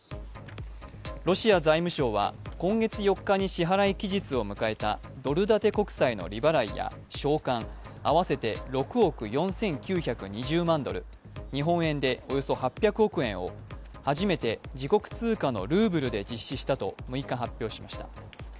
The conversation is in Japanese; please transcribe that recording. ロシア財務省は今月４日に支払い期日を迎えたドル建て国債の利払いや償還合わせて６億４９２０万ドル、日本円でおよそ８００億円を初めて自国通貨のルーブルで実施したと６日発表しました。